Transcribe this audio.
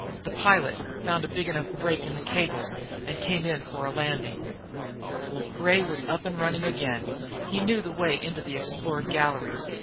The pilot found a big enough break in the cables and came in for a landing. Gray was up and running again. He knew the way into the explored galleries.